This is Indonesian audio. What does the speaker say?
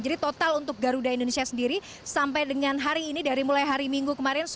jadi total untuk garuda indonesia sendiri sampai dengan hari ini dari mulai hari minggu kemarin